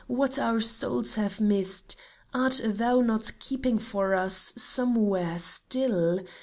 what our souls have missed Art thou not keeping for us, somewhere, still